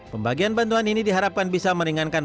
pembagian bantuan ini diharapkan bisa meringankan